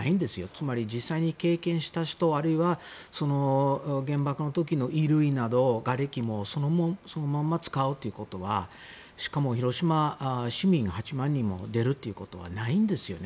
つまり実際に経験した人あるいは原爆の時の衣類などがれきをそのまま使おうというのはしかも、広島市民が８万人も出るってことはないんですよね。